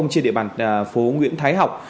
trên địa bàn phố nguyễn thái học